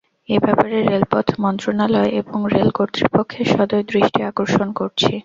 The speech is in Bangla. এ ব্যাপারে রেলপথ মন্ত্রণালয় এবং রেল কর্তৃপক্ষের সদয় দৃষ্টি আকর্ষণ করছি।